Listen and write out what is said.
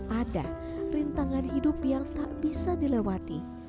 ada rintangan hidup yang tak bisa dilewati